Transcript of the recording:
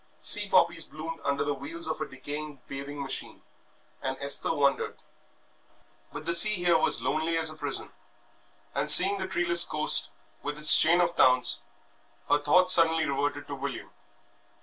Sea poppies bloomed under the wheels of a decaying bathing machine, and Esther wondered. But the sea here was lonely as a prison, and, seeing the treeless coast with its chain of towns, her thoughts suddenly reverted to William.